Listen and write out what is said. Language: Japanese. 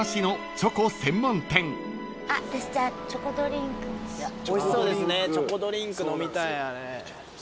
チョコドリンク飲みたいあれ。